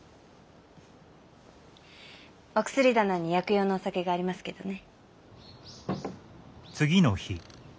お薬棚に薬用のお酒がありますけどね。